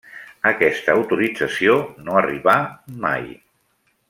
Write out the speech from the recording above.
Aquesta autorització no arribà mai.